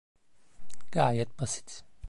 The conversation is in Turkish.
Gayet basit.